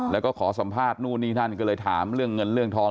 แล้วก็ขอสัมภาษณ์นู่นนี่ท่านก็เลยถามเรื่องเงินเรื่องทอง